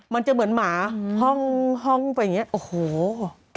มันจะเหมือนหมาห้องไปอย่างนี้โอ้โห